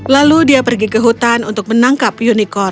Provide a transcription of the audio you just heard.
lalu dia pergi ke hutan untuk menangkap unicorn